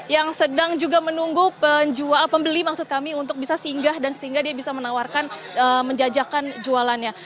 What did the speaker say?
yang sedang juga menunggu pembeli maksud kami untuk bisa singgah dan sehingga dia bisa menawarkan menjajakan jualannya